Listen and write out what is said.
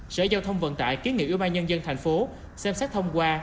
sở giao thông vận tải kiến nghị ưu ba nhân dân thành phố xem xét thông qua